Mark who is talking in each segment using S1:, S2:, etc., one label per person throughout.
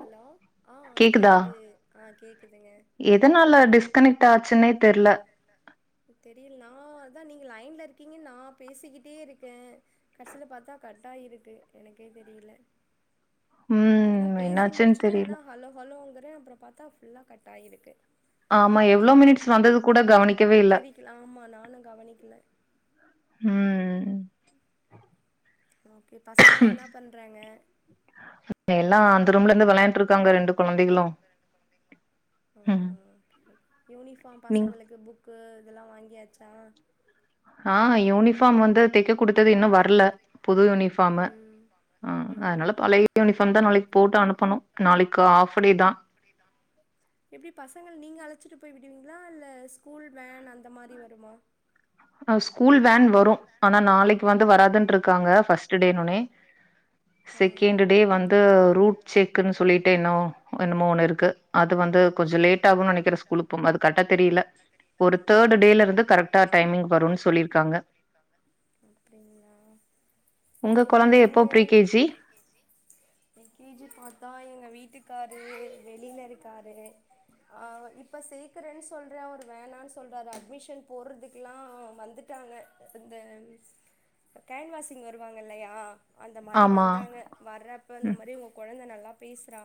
S1: Hello ஆ
S2: கேக்குதா
S1: கேக்குது ஆ கேக்குதுங்க
S2: எதனால டிஸ்கனெக்ட் ஆச்சுன்னே தெர்ல
S1: தெரியல் நா அதா நீங் லைன்ல இருக்கீங்கன் நா பேசிக்கிட்டேருக்கே கடைசில பாத்தா கட்டாயிருக்கு எனக்கே தெரியல அப்புறந்தா
S2: ம்
S1: பேசி
S2: என்னாச்சுன்னு
S1: முடிச்சுட்டு என்ன
S2: தெரியல
S1: ஹலோ ஹலோங்க அது அப்புறம் பார்த்தா ஃபுல்லா கட் ஆகிருக்கு.
S2: ஆமா எவ்ளோ மினிட்ஸ் வந்தது கூட கவனிக்கவே இல்ல
S1: தெரிக்கல ஆமா நானு கவனிக்கல.
S2: ம்
S1: [inaudible] கு பசங்கள்லா என்னா பண்றாங்க.
S2: எல்லா அந்த ரூம்லந்து வெளையாண்ட்ருக்காங்க ரெண்டு கொழந்தைகளு
S1: ம் ம் [inaudible] யூனிஃபாம்
S2: நீங்
S1: பசங்களுக்கு புக்கு இதெல்லா வாங் கியாச்சா
S2: ஆ யூனிஃபாம் வந்து தெக்க குடுத்தது இன்னு வர்ல புது யூனிஃபாமு
S1: ம்
S2: அ
S1: ம்
S2: அதனால பழைய யூனிபாம்தா நாளை போட்டு அனுப்பனு நாளைக்கு ஆஃபடே தா
S1: எப்டி பசங்கள் நீங்க அழைச்சிட்டு போய் விடுவீங்ளா இல்ல ஸ்கூல் வேன் அந்த மாரி வருமா.
S2: அ ஸ்கூல் வேன் வரு ஆனா நாளைக்கு வந்து வராது. துன்ருக்காங்க ஃபஸ்ட் டேனுனே.
S1: ஆ
S2: செகெண்டு டே வந்து ரூட் செக்ன் சொல்லிட் டேனோ என்னமோ ஒன்னு இருக்கு அத் த்து வந்து கொஞ்சோ லேட் ஆகுன் நெனைக்கிற ஸ்கூலுக்கு போம்போ அது கரெட்டா தெரியில ஒரு தேடு டே ல இருந்து கரெக்ட்டா டைமிங்
S1: ட்டா
S2: வரும்னு
S1: டைமிங்
S2: சொல்லிருக்காங்க
S1: வருன் சொல்லிருக்காங்க அப்டிங்ளா
S2: உங்க
S1: இபா
S2: கொழந்தை எப்போ
S1: நீங்க
S2: ப்ரீ கேஜி
S1: எப்ப pre K G pre K G பாத்தா எங்க வீட்டுக்காரு வெளில இருக்காரு ஆ இப்ப சேக்கறேன் சொல்றே அவரு வேணான் சொல்றாரு அட்மிஷன் போர்றுதுக்கெல்லா வந்துட்டாங்க இந்த கேன்வாஷிங் வருவாங்கில்லையா? அந்த மாரி
S2: ஆமா.
S1: வந்தாங்க வர்றப்ப இந்த
S2: ம்.
S1: மாரி உங்க கொழந்த நல்லாப் பேசுறா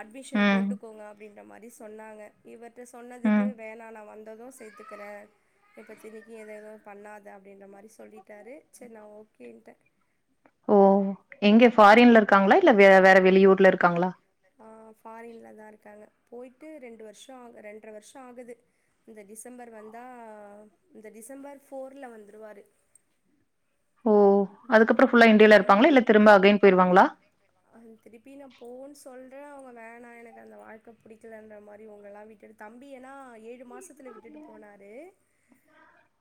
S1: அட்மிஷன்
S2: ம்.
S1: போட்டுக்கோங்க இந்த மாரி சொன்னாங்க இவர் ட்ட சொன்னதுக்கு
S2: ம்.
S1: வேணா ந வந் வந்ததூ சேத்துக்கிறே இப்பத்தினிக்கு எது எதுவு பண்ணாத அப்டின்ற மாரி சொல்லிட் டாரு செர் நா ஓகேன்ட்டே
S2: ஓ எங்க ஃபாரின்ல இருக்காங்ளா இல்ல வே வேற வெளியூர்ல இருக்காங்ளா.
S1: ஆ ஃபாரின்ல தாருக்காங்க போயிட்டு ரெண்டு வர்ஷோ ஆக ரெண்ட்ர வர்ஷோ ஆகுது இந்த டிசம்பர் வந்தா இந்த டிசம்பர் ஃபோர்ல வந்துருவாரு.
S2: ஓ அதுக்கப்றோ ஃபுல்லா இண்டியால இருப்பாங்ளா
S1: தம்பி
S2: இல்ல திரும்ப அகைன் போயிருவாங்ளா.
S1: அவுங்க வேணா எனக்கு அந்த வாழ்க்க புடிக்கலன்ற மாரி உங்கல்லா விட்டுட்டு தம்பி ஏனா ஏழு மாசத்து துல விட்டுட்டு போனாரு.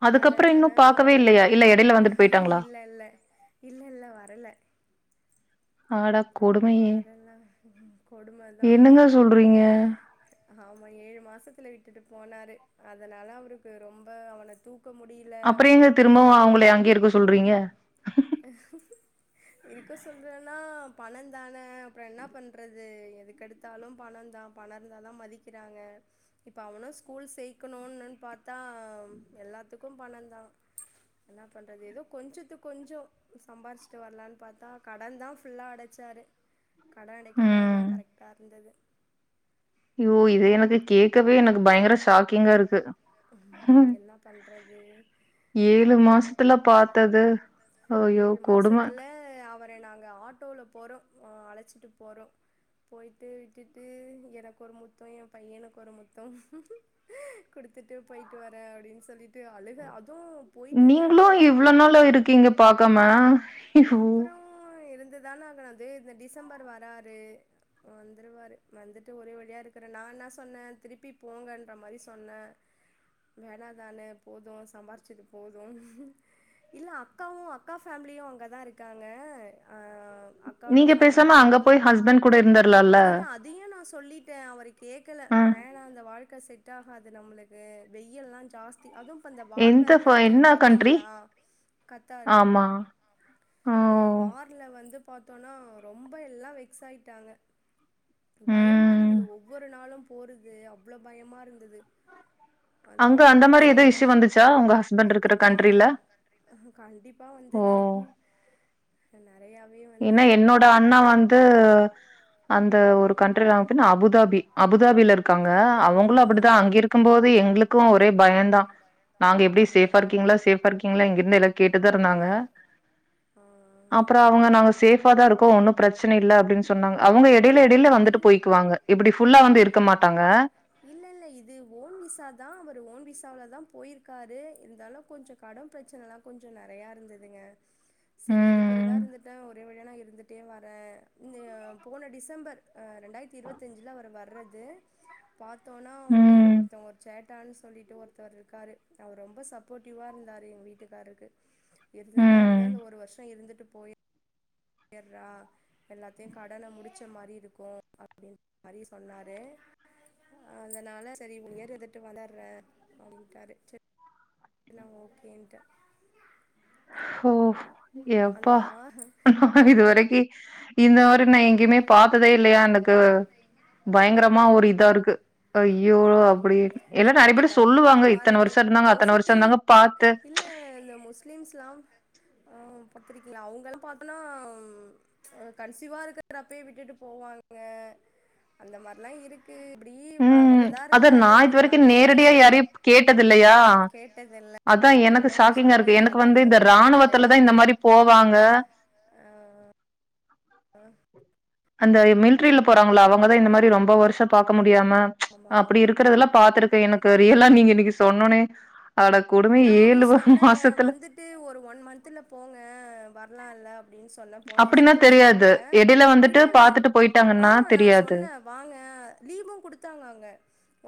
S2: அதுக்கப்புற
S1: அதனால
S2: இன்னு பாக்கவே
S1: ஒரு
S2: இல்லையா இல்ல எடையில வந்துட்டு போயிட்டாங்ளா.
S1: இல்லல்ல வரல.
S2: ஆடப்
S1: வரல கொடும தா.
S2: என்னங்க சொல்றீங்க?
S1: ஆமா ஏழு மாசத்துல விட்டுட்டு போனாரு அதனால அவருக்கு ரொம்ப அவன தூக் க்க முடில
S2: அப்புறம்
S1: அப்டி
S2: ஏங்க
S1: இப்டின்னு
S2: திரும்பவும்
S1: ரொம்ப
S2: அவங்கள அங்கேயே இருக்க சொல்றீங்க?
S1: இருக்க சொல்றேனா பணந்தான அப்புறோ என்னா பண்றது எதுக்கெடுத்தாலு பணோ தா பணோ இருந்தா தா மதிக்கிறாங்க இப்போ அவனு ஸ்கூல் சேக்கணுன்னு பாத்தா எல்லாத்துக்கு பணந்தா என்னா பண்றது ஏதோ கொஞ்சத்துக்கு கொஞ்சோ சம்பாரிச்சுட்டு வர்லான் பாத்தா கடன் தா ஃபுல்லா அட சாரு கடோ அடைக்கதா எல்லா
S2: ம்
S1: கரெக்ட்டா இருந்தது
S2: யோ இது எனக்கு கேக்கவே எனக்கு பயங்கர ஷாக்கிங்கா இருக்கு
S1: என்னா பண்றது
S2: ட்டுல பாத்தது அய்யோ கொடும
S1: அ நாங்க ஆட்டோல போறோ அ அழச்சிட்டு போறோ போய்ட்டு விட்டுட்டு எனக்கொரு முத்தோ என் பையனுக்கு ஒரு முத்தோ குடுத்துட்டு போய்ட்டு வரே அப்டின்னு சொல்லிட்டு அழுக அத் தூம் போயிட்டுங்க
S2: நீங்களும் இவ்ளோ நாளா இருக்கீங்க பாக்காம ஐயோ
S1: அப்புறோ இருந் இது தான ஆங்குனது இந்த டிசம்பர் வராரு வந்துருவாரு வந்துட்டு ஒரே வழியா இருக்கிறே நா என்னா சொன்னே திருப்பி போங்கன்ற மாரி சொன்னே வேல தானே போது சம்பாரிச்சது போது இல்ல அக்காவு அக்கா ஃபேமிலியும் அங் அங்க தா இருக்காங்க ஆ அக்காவோட
S2: நீங்க பேசாம
S1: ஃபேமிலி
S2: அங்க
S1: இப்பல்லா
S2: போய் ஹஸ்பண்ட் கூட இருந்தர்லால்ல.
S1: இல்ல அதையு நா சொல்லிட்டே அவரு கேக்கல
S2: அ
S1: வேணா அந்த வாழ்க் க செட் ஆகாது நம்மளுக்கு வெயில்லா ஜாஸ்தி அதும் அந்த வார்
S2: எந்த
S1: வேற
S2: ஃப
S1: நடந்துது
S2: என்ன கண்ட்ரி?
S1: பாத்தீங்ளா கத்தார்
S2: ஆமா. ஓ!
S1: இந்த வார்ல வ வந்து பாத்தோனா ரொம்ப எல்லா வெக்ஸ் ஆயிட்டாங்க. பயமா
S2: ம்.
S1: இருந்துது ஒவ்வொரு நாளும் போறது அவ்ளோ பயமா இருந்துது அதுவு
S2: அங்க
S1: அக்கா
S2: அந்த மாரி எதும்
S1: பாசங்களு
S2: இஷ்யூ வந்துச்சா? உங்க ஹஸ்பண்ட் இருக்கிற
S1: ஆ
S2: கண்ட்ரில?
S1: கண்டிப்பா வந்துது
S2: ஓ
S1: ஹலோ
S2: ஏன்னா என்னோட அண்ணா வந்து அந்த ஒரு கண்ட்ரில அவ பின்ன அபுதாபி அபுதாபில இருக்காங்க
S1: அபுதாபி
S2: அவங்களு
S1: ஆ
S2: அப்டிதா அங்க இருக்கும்போது எங்ளுக்கு ஒரே பயம்தா நாங்க எப்டி
S1: ஆமா
S2: சேஃபா இருக்கீங்ளா சேஃபா இருக்கீங்ளா இங்க இருந்து எல்லா கேட்டுதா சொன்னாங்க
S1: ஆ ஆ
S2: அப்றோ அவங்க நாங்க சேஃப் ப்பா தா இருக்கு ஒன்னு பிரச்சன இல்ல அப்டின்னு சொன்னாங்க அவங்க எடையில எடையில வந்துட்டு போயக்குவாங்க இப்டி ஃபுல்லா வந்து இருக்க மாட்டாங்க
S1: இல்ல இல்ல த்தவள தா போயிருக்காரு இருந்தாலு கொஞ்சோ கடன் பிரச்சனலா கொஞ்சோ நெறையா இருந்ததுங்க செரி இருக்கறதா
S2: ம்
S1: இருந்துட்ட ஒர் [unintelligible] இருக் வந்துட்டே வரே இன்தைய போன டிசம்பர் அ ரெண்டாயிரத்தி இருவத்தஞ்சுல அவர் வர்றது பார்த்தோனா ஒரு
S2: ம்
S1: ஒருத்தங்க ஒரு சேட்டான்னு சொல்லிட்டு ஒருத்தவர் இருக்காரு அவர் ரொம்ப சப்போர்ட்டிவ்வா இருந்தாரு எங்க வீட்டுக்கார்ருக்கு இருந்துதா
S2: ம்
S1: இருந்தே இந்த ஒரு வருஷோ இருந்துட்டு போய இர்ரா எல்லாத்தையு கடன முடிச் பச்ச மாரி இருக்கு அப்டின் மாரி சொன்னாரு அதனால சேரி [unintelligible] எட்டு வளர்ற அப்டினுட்டாரு சேர் நான் ஓகேன்ட
S2: ஹோ எப்பா இதுவரைக்கு இந்த மாறி நான் எங்கேயுமே பாத்ததே இல்லையா எனக்கு பயங்கரமா ஒரு இதா இருக்கு இவளு அப்புடியே எல்லா நிறைய பேர் ஸ்
S1: [unintelligible]
S2: பாத்து
S1: இல்ல இந்த முஸ்லீம்ஸ்ல்லாம் ஆ பாத்துருக்கீங்களா அவங்கல்லா பாத்தோன்னா ம் அ கன்சிவா இருக்குறப்பே விட்டுட்டு போவாங்க அந்த மார்ல்லா இருக் இப்படி வ
S2: ம்
S1: வருதா
S2: அத நா
S1: இருந்தாரு
S2: இது வரைக்கு
S1: எல்லாத்தையும் நான்
S2: நேரடியா
S1: சொல்லி
S2: யாரையும் கேட்டது இல்லையா
S1: கேட்டதில்ல
S2: அதான் எனக்கு
S1: அதனால உங்க
S2: ஷாக்கிங்கா இருக்கு எனக்கு
S1: தா
S2: வந்து
S1: இருக்கு
S2: இந்த
S1: நா நெறையா
S2: இராணுவத்துலதான் இந்த
S1: கே
S2: மாறி போவாங்க
S1: ஆ
S2: அந்த இ மில்க் மில்ட்ரியில போறாங்களா அவங்கதான் இந்த மாறி ரொம்ப வருஷம் பாக்க முடியாம
S1: ஆமா ஆமா
S2: அப்புடி இருக்கறதெல்லா பாத்துருக்கே எனக்கு ரியலா நீங்க இன்னைக்கி சொன்னோனே அடக் கொடும
S1: நா அப்பயு
S2: ஏழு வா
S1: சொன்னேங்க
S2: மாசத்துல
S1: வந்துட்டு வர்லால்லப் அப்படனு சொன்ன போன
S2: அப்டின்னா
S1: வருஷத்துல
S2: தெரியாது
S1: சொன்னேன்
S2: எடையில வந்துட்டு
S1: இல்ல
S2: பாத்துட்டு
S1: ஆ
S2: போயிட்டாங்கன்னா
S1: நான்
S2: தெரியாது
S1: சொன்னேன் வாங்க லீவும் கொடுத் ங்காங்க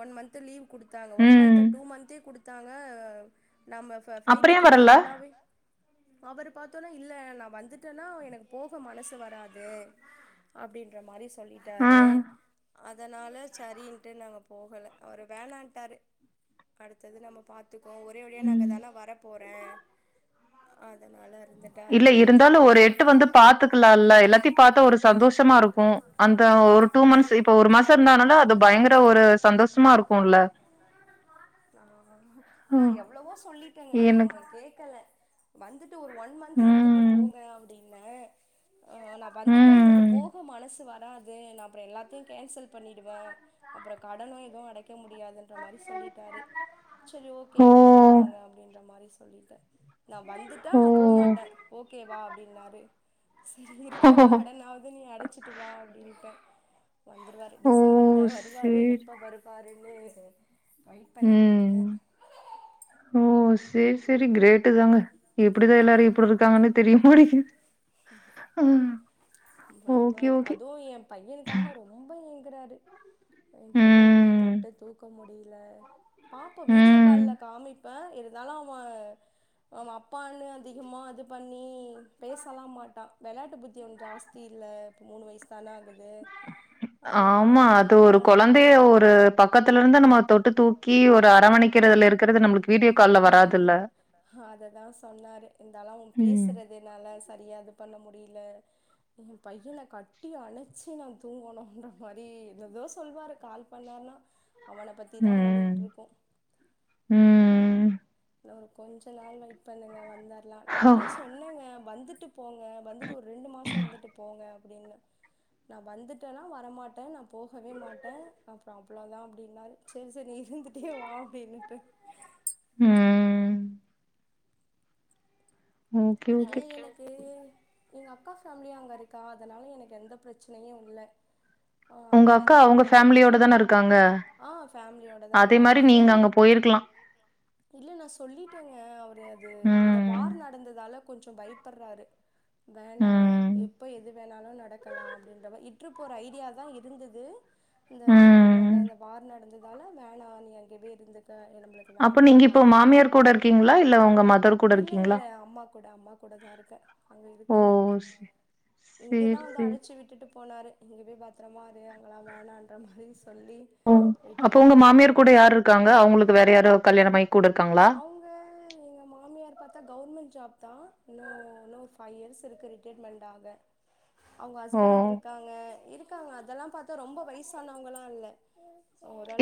S1: ஒன் மன்த் லீவ் குடுத்தாங்க ஒன்
S2: ம்
S1: மன்தா டூ மன்த்தே குடுத்து தாங்க நம்ம ஃப்ளைட்
S2: அப்றோ ஏ
S1: டிக்கெட்டு
S2: வரல
S1: ஃபுல்லாவே அவரு பார்த்தோன்ன இல்ல வந்துட்டேனா எனக்கு போக மனசு வராது அப்படீங்கற மாறி சொல்லிட்டாரு
S2: ம்
S1: அதனால சரின்ட்டு நாங்க போகல அவரு வேணான்ட்டாரு அடுத்தது நம்ம பாத் துக்குவோ ஒரே வழியா நா
S2: ம்
S1: அங்கதான வர போற அதனால இருந்துட்டாரு
S2: இல்ல இருந்தாலு ஒரு எட்டு வந்து பாத்துக்கலா இல்ல எல்லாத்தையு பாத்தா ஒரு சந்தோஷமா இருக்கு அந்த ஒரு டூ மந்த்ஸ் இப்ப ஒரு மாச இருந்தனால அது பயங்கர ஒரு சந்தோஷமா இருக்குல
S1: ஆஹ நான் எவ்வளவோ சொல்லிட்டேங்க
S2: எனக்கு
S1: அவங்க கேக்கல வந்து ஒரு ஒன் மந்த் இருந்துட்டு
S2: ம்
S1: போங்க அப்டின்னு ஆ நா வந்துட்டா எனக்கு
S2: ம்
S1: போக மனசு அது நா அப்ற எல்லாத்தையு கேன்சல் பண்ணிடுவ அப்ற கடனு எதுவு அடைக்க முடியாதுன்ற மாரி சொல்லி டாரு சரி ஓகே
S2: ஓ
S1: இருந்துட்டு வாங்க அப்டின்ற மாரி சொல்லிட நா வந்துட்டா
S2: ஓ
S1: நா போமாட்ட ஓகே வா அப்டின்னாரு செரி இருக்கிற கடனாவது நீ அடச்சிட்டு வா அப்டின்ட வந்துருவாரு
S2: ஓ
S1: டிசம்பர்ல வருவாரு
S2: சேரி
S1: எப்ப வருவாரு [inaudible] வெயிட்
S2: ம்
S1: பண்ணிக்கிட்டுருக்க
S2: செரி செரி கிரேட்டு தாங்க எப்டிதா எல்லாரு இப்டி இருக்காங்கன்னு தெரிய மாட்டேங்குது ஓகே
S1: வருவாரு
S2: ஓகே
S1: அதுவு ய பையனுக்காக ரொம்ப க்குறாறு என் பையனை நா
S2: ம்
S1: தொட்டு தூக்க முடியு இல்ல பாப்போ வீடியோ
S2: ம்
S1: கால்ல காமிப் ப்பா இருந்தாலு அவ அவ அப் அப்பான்னு அதிகமாக அது பண்ணி பேசலா மாட்டா வேளாட்டு புத்தி ஒன்னு ஜாஸ்தி இல்ல இப்ப மூணு வயசு தான ஆகுது அதனால
S2: ஆமா
S1: அந்த
S2: அது ஒரு
S1: மாரிலா
S2: கொந்தைய ஒரு பக்கத்து இருந்து நம்ம தொட்டு தூக்கி ஒரு அரவணைப்பு
S1: ஆ அததா சொன்னாரு இருந்தாலுஅவன்
S2: ம்.
S1: பேசுறதுனால சரியா பண்ண முடியல என் பையனை கட்டி அணைச்சி நா தூங்கணும்ன்ற மாரி ஏதோதோ சொல்வாரு கால் பண்ணான்னா அவனை பத்தி தா ஓடிக்கிட்டுருக்கோ
S2: உம்
S1: ஒரு கொஞ்ச நாள் வெயிட் பண்ணுங்க வந்தாலா நா
S2: ஓ!
S1: அப்பயு சொன்னேங்க வந் வந்துட்டு போங்க வந்துட்டு ஒரு ரெண்டு மாச இருந்துட்டு போங்க அப்படின் நா வந்துட்டேன்னா வரமாட்டே நா போகவே மாட்டே அப்பற அவ்வளோதா அப்படின்னாரு சரி சரி நீ இருந்துட்டே வா அப்படின்னுட்ட
S2: ம். ஓகே ஓகே
S1: எங்கக்கா ஃபேமிலியா அங்க இருக்கா அதனால எனக்கு எந்த பிரச்சனையு இல்ல ஹ
S2: உங்க
S1: அக்கா ஏதவாது
S2: அவங்க
S1: ஒண்ண
S2: ஃபேமிலியோட தான இருக்காங்க.
S1: ஆஹ் பேமிலி ஓடதா
S2: அதே
S1: இருகாங்க
S2: மாரி நீங்க
S1: போன்
S2: அங்க போயிருக்கலாம்.
S1: நா சொல்லிட்டேங்க அ இந்த
S2: ம்.
S1: வார் நடந்ததால கொஞ்சோ பயப்பறாரு வேணா
S2: ம்.
S1: எப்ப எது வேணாலு நடக்கலா அப்படின்ற இற்று போற ஐடியா தா இருந்தது இந்த அதா
S2: ம்.
S1: அந்த வார் நடந்ததால வேனா நீ அங்க பேய் [inaudible]
S2: அப்போ நீங்க இப்போ மாமியார் கூட இருக்கீங்களா இல்ல உங்க மதர் கூட
S1: இல்ல உங்க இல்ல
S2: இருக்கீங்களா
S1: இல்ல மனைவியோட அம்மா கூட அம்மா கூட தான் இருக்க அங்க
S2: ஓ!
S1: இருக்கல
S2: சே சேரி,
S1: இங்கதான் வந்து
S2: சேரி.
S1: அழைச்சு விட்டுட்டு போனாரு இங்க போய் பத்தரமா இரு அங்கலா வேணான்ற மாரி சொல்லி
S2: அப்போ
S1: விட்டுட்டு
S2: உங்க
S1: போனாரு
S2: மாமியார் கூட யார் இருக்காங்க? அவங்களுக்கு வேற யாரோ கல்யாணம் ஆயி கூட இருக்காங்களா?
S1: அவங்க எங்க மாமியார் பாத்தா கவர்மெண்ட் ஜாப் நா இன்னு இன்னொ ஒரு ஃபைவ் இயர்ஸ் இருக்கு ரிட்டைர்மெண்ட் ஆக அவங்க ஹஸ்பண்ட்
S2: ஓ!
S1: இருக்காங்க இரு க்காங்க அதெல்லா பாத்தா ரொம்ப வயசானவங்கலா இல்ல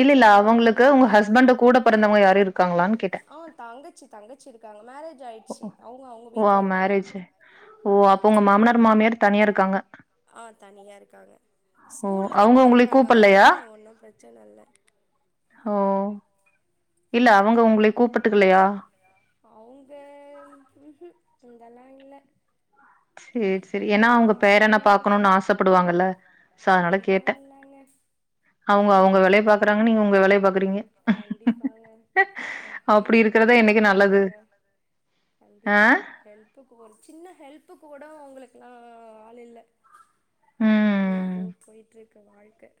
S2: இல்ல இல்ல
S1: நல்ல
S2: அவங்களுக்கு
S1: வாலிபன்
S2: உங்க
S1: தா
S2: ஹஸ்பண்ட கூட பிறந்தவங்க யாரு இருக்காங்களான்னு கேட்டே
S1: ஆஹ் தங்கச்சி தங்கச்சி இருக்காங்க மேரேஜ் ஆய்டுச்சு
S2: ஓ மேரேஜு ஓ அப்ப உங்க மாமனார் மாமியார் தனி இருக்காங்க
S1: ஆஹ் தனியா இருக்காங்க
S2: ஓ
S1: ஸ்கூல்ல ஒர்க்
S2: அவங்க உங்களை
S1: பண்றாங்க அவங்க
S2: கூப்பல்லையா
S1: ஒன்னும் பிரச்ச மச்ச நல்ல
S2: ஓ இல்ல அவங்க உங்களை கூப்பிட்டுக்கலையா
S1: அவங்க இதெல்லா இல்ல
S2: சரி சரி ஏன்னா
S1: ஏனோ
S2: அவங்க
S1: தானோன்னு
S2: பேரன
S1: போயிட்ருக்கு
S2: பாக்கணுனு ஆசப்படுவாங்கல்ல சோ அதனால
S1: அப்படிலா
S2: கேட்டே
S1: இல்லங்க
S2: அவுங்க அவுங்க வேலய
S1: ம்
S2: பாக்குறாங்கன நீங்க உங்க வேலய பாக்குறீங்க
S1: கண்டிப்பாங்க ஒரு
S2: அப்ப
S1: ஹெல்ப்புக்கு கூட ஆள் இல்ங்கன
S2: ஆ
S1: கண்டிப்பா ஹெல்ப்புக்கு ஒரு சின்ன ஹெல்ப்புக்கு கூட உங்களுக்குல்லா ஆள் இல்ல நீ
S2: ம்
S1: ஏதோ போயட் இரு வாழ்க்க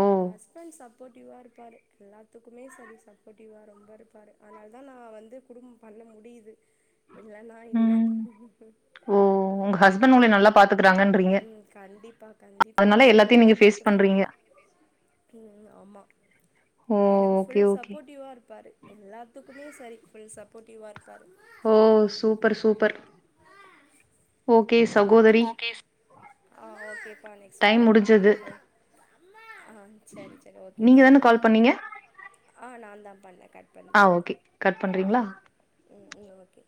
S2: ஓ
S1: ஹஸ்பண்ட் சப்போ சப்போர்ட்டி்வா இருப்பாரு எல்லாத்துக்குமே சரி சப்போர்ட்டிவா ரொம்ப இருப்பாரு அதனாலதா நான் வந்து குடும்ப பண்ண முடியுது இல்லன்னா இல்ல
S2: ம் ஓ உங்க ஹஸ்பண்ட் உங்கள நல்லா பாத்துக்கறாங்கன்றீங்க
S1: உம் கண்டிப்பா கண்டிப்பா
S2: அதனால எல்லாத்தையு
S1: நல்லா
S2: நீங்க ஃபேஸ்
S1: பாத்துப்பாரு
S2: பண்றீங்க
S1: ம் ஆமா
S2: ஓ
S1: எனக்கு
S2: ஓகே
S1: ஃபுல்
S2: ஓகே
S1: சப்போர்ட்டிவா இருப்பாரு எல்லாத்துக்குமே சரி ஃபுல் சப்போர்ட்டிவா இருப்பார்
S2: ஓ சூப்பர் சூப்பர் ஓகே சகோதரி
S1: ஆஹ் ஓகே ப்பா நெக்ஸ்ட்
S2: டைம்
S1: காலர் வந்து
S2: முடிஞ்சது
S1: பாக்கலா ஆ சரி சரி ஓகே
S2: நீங்க தான
S1: பாய்பா
S2: கால்
S1: அ நாந்தா பண்ண
S2: அ ஓகே கட் பண்றீங்ளா
S1: ன் ஓகே